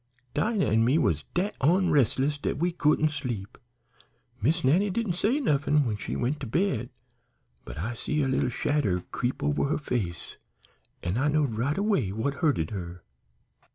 Dinah an' me was dat onresless dat we couldn't sleep. Miss Nannie didn't say nuffin when she went to bed, but I see a little shadder creep over her face an' I knowed right away what hurted her.